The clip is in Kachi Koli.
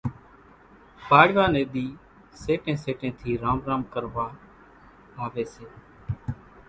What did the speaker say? پاڙوا ني ۮي سيٽي سيٽي ٿي رام رام ڪروا آوي سي